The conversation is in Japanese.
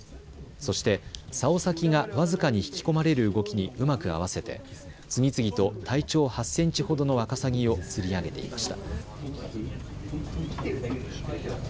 そしてさお先が僅かに引き込まれる動きにうまく合わせて次々と体長８センチほどのわかさぎを釣り上げていました。